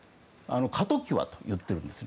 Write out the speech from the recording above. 過渡期はと言っているんです。